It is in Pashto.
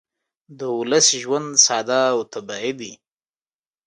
د ولس ژوند ساده او طبیعي دی